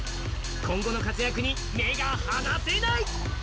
今後の活躍に目が離せない！